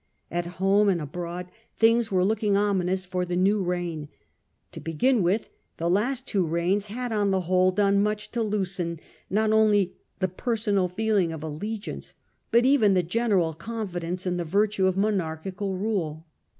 At home and abroad things were looking ominous for the new reign. To begin with, the last two reigns had on the whole done much to loosen not only the personal feeling of allegiance, but even the general confidence in the virtue of monarchical rule.